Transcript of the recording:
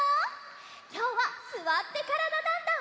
きょうは「すわってからだ☆ダンダン」。